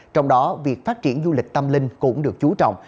trong đó việc phát triển du lịch tâm linh cũng được chú trọng